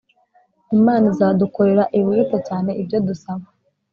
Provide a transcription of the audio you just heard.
Imana izadukorera “ibiruta cyane ibyo dusaba